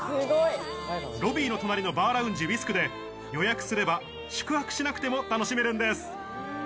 ロビーの隣のバーラウンジ、ウィスクで予約すれば宿泊しなくても楽しめるんです。